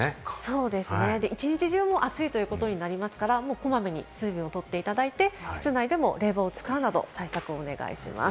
そうですね、一日中暑いということになりますから、こまめに水分をとっていただいて、室内でも冷房を使うなど、対策をお願いします。